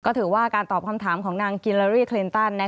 ก็ถือว่าการตอบคำถามของนางกิลารี่คลินตัน